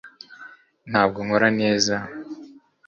ntabwo nkora neza